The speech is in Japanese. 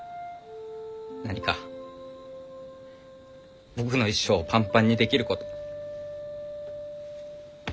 何か僕の一生をパンパンにできること。